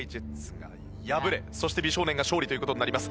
が敗れそして美少年が勝利という事になります。